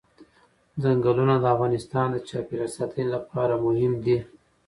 ځنګلونه د افغانستان د چاپیریال ساتنې لپاره مهم دي.